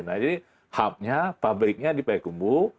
nah jadi hub nya pabriknya di pak hekumbu